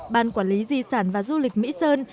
ban quản lý di sản và du lịch mỹ sơn